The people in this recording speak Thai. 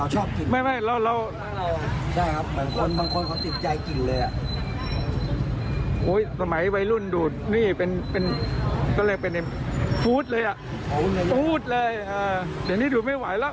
เห้ยสมัยไว้รุ่นดูดนี่ก็เรียกเป็นฟุตเลยเดี๋ยวนี้ดูดไม่ไหวล่ะ